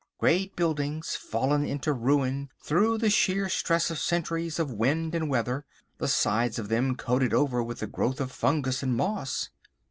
Great buildings fallen into ruin through the sheer stress of centuries of wind and weather, the sides of them coated over with a growth of fungus and moss!